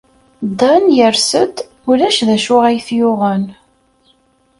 Dan yers-d, ulac d acu ay t-yuɣen.